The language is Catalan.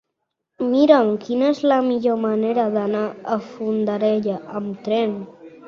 Mira'm quina és la millor manera d'anar a Fondarella amb tren.